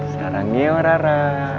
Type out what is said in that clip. sarangnya opa rara